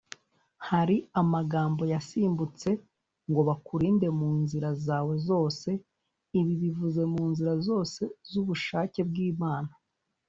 ” hari amagambo yasimbutse, ” Ngo bakurinde mu nzira zawe zose;” ibi bivuze mu nzira zose z’ubushake bw’Imana.